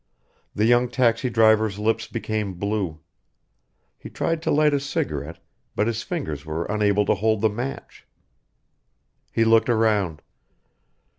The young taxi driver's lips became blue. He tried to light a cigarette, but his fingers were unable to hold the match. He looked around.